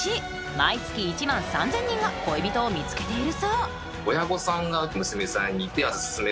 ［毎月１万３，０００人が恋人を見つけているそう］